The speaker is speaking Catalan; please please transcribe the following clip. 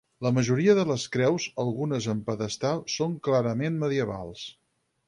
La majoria de les creus, algunes amb pedestal, són clarament medievals.